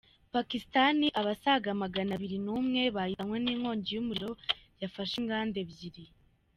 Pakistani Abasaga Maganabiri N’umwe bahitanywe n’inkongi y’umuriro yafashe inganda Ebyiri